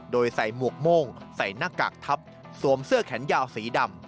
โดยใส่หมวกโม่งใส่หน้ากากทับสวมเสื้อแขนยาวสีดำ